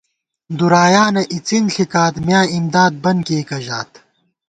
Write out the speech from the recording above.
دُرایانہ اِڅِن ݪِکات، میاں اِمدادہ بن کېئیکہ ژات